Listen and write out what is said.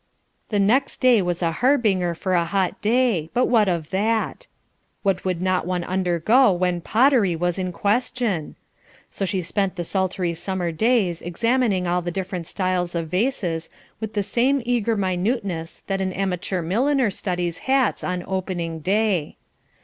The next day was a harbinger for a hot day; but what of that? What would not one undergo when pottery was in question? So she spent the sultry summer days examining all the different styles of vases with the same eager minuteness that an amateur milliner studies hats on "opening day."